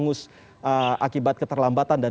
bisa bahan bahan secara bidang dan bantuan